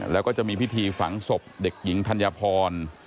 แล้วก็จะมีพิธีฝังศพเด็กหญิงธัญพร